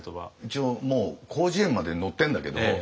一応もう「広辞苑」まで載ってんだけど。